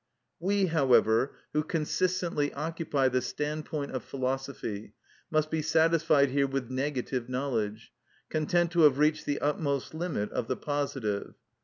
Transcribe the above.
We, however, who consistently occupy the standpoint of philosophy, must be satisfied here with negative knowledge, content to have reached the utmost limit of the positive.